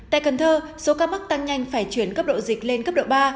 tại cần thơ số ca mắc tăng nhanh phải chuyển cấp độ dịch lên cấp độ ba